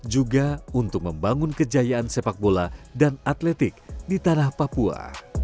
juga untuk membangun kejayaan sepak bola dan atletik di tanah papua